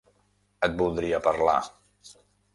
- Et voldria parlar